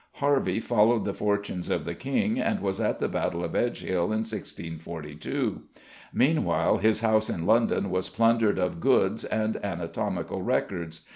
Harvey followed the fortunes of the King, and was at the Battle of Edgehill in 1642. Meanwhile his house in London was plundered of goods and anatomical records.